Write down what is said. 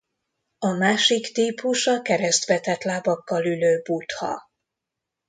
A másik típus a keresztbe tett lábakkal ülő Buddha.